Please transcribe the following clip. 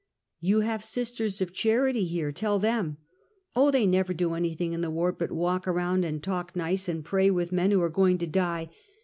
"You have Sisters of Charity here; tell them." " Oh, they never do anything in the ward but walk around and talk nice, and pray with men who are go ing to die.